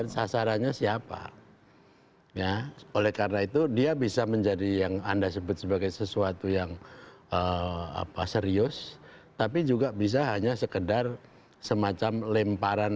saya kira saya tidak perlu mengatakan